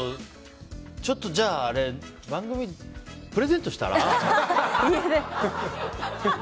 ちょっと、じゃあ番組、プレゼントしたら？